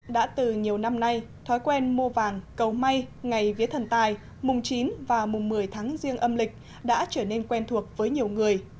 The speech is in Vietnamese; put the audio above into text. đã từ nhiều năm nay thói quen mua vàng cầu may ngày vía thần tài mùng chín và mùng một mươi tháng riêng âm lịch đã trở nên quen thuộc với nhiều người